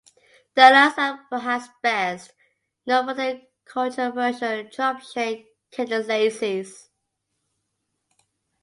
The Alliance are perhaps best known for their controversial job-share candidacies.